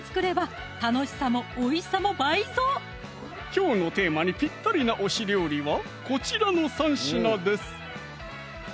きょうのテーマにピッタリな推し料理はこちらの３品です